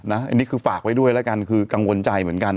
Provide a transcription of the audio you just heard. อันนี้คือฝากไว้ด้วยแล้วกันคือกังวลใจเหมือนกัน